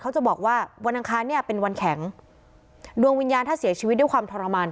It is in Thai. เขาจะบอกว่าวันอังคารเนี่ยเป็นวันแข็งดวงวิญญาณถ้าเสียชีวิตด้วยความทรมาน